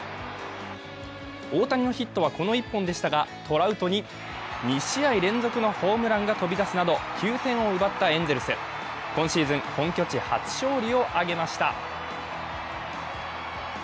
大谷のヒットはこの１本でしたが、トラウトに２試合連続のホームランが飛び出すなど９点を奪ったエンゼルス。今シーズン本拠地初勝利を挙げました。